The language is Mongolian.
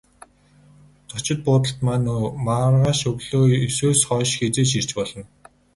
Зочид буудалд маань маргааш өглөө есөөс хойш хэзээ ч ирж болно.